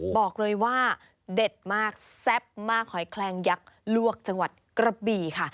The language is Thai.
บอกเลยว่าเด็ดมากแซ่บมากหอยแคลงยักษ์ลวกจังหวัดกระบี่ค่ะ